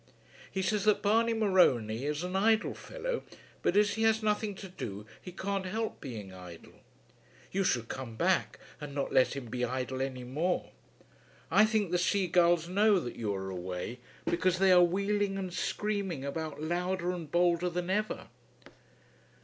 He says that Barney Morony is an idle fellow, but as he has nothing to do he can't help being idle. You should come back and not let him be idle any more. I think the sea gulls know that you are away, because they are wheeling and screaming about louder and bolder than ever.